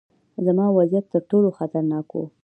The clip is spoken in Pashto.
زما وضعیت ترټولو خطرناک و.